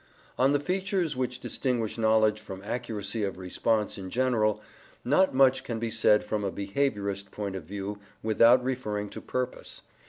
On the features which distinguish knowledge from accuracy of response in general, not much can be said from a behaviourist point of view without referring to purpose.